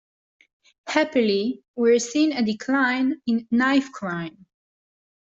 Happily, we are seeing a decline in knife crime.